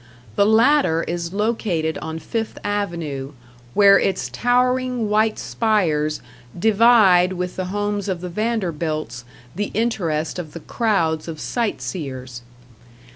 The latter is located on Fifth Avenue, where its towering white spires divide with the homes of the Vanderbilts the interest of the crowds of sight seers.